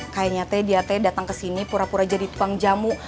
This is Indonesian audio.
kayaknya teh dia teh datang ke sini pura pura jadi tukang jamu